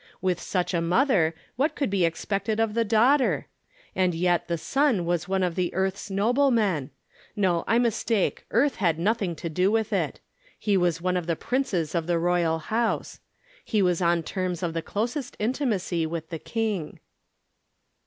With such a mother, what could be expected of the daughter ? And yet the son was one of earth's noblemen !—^ no, I From Different Standpoints. 249 mistake, earth had nothing to do with it. He was one of the princes of the royal house. Pie was on terms of the closest intimacy with the King.